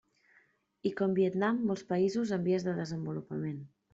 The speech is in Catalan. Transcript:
I com Vietnam, molts països en vies de desenvolupament.